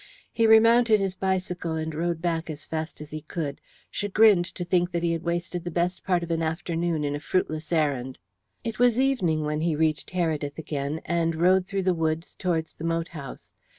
He remounted his bicycle and rode back as fast as he could, chagrined to think that he had wasted the best part of an afternoon in a fruitless errand. It was evening when he reached Heredith again, and rode through the woods towards the moat house.